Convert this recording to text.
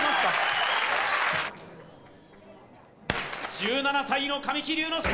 １７歳の神木隆之介